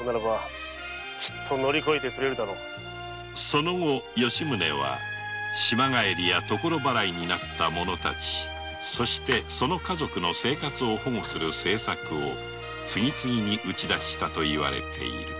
その後吉宗は「島帰り所払い」になった者やその家族の生活を保護する政策を次々に打ち出したと言われている